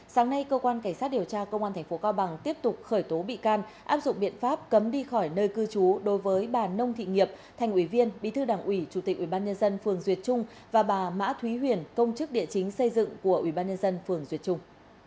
sáng nay cơ quan cảnh sát điều tra công an tp cao bằng tiếp tục khởi tố bị can áp dụng biện pháp cấm đi khỏi nơi cư trú đối với bà nông thị nhiệp thành ủy viên bí thư đảng ủy chủ tịch ủy ban nhân dân phường duyệt trung và bà mã thúy huyền công chức địa chính xây dựng của ủy ban nhân dân phường duyệt trung